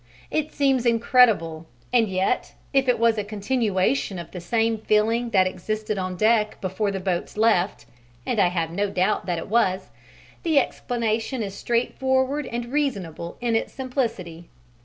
It seems incredible, and yet if it was a continuation of the same feeling that existed on deck before the boats left, and I have no doubt it was, the explanation is straightforward and reasonable in its simplicity.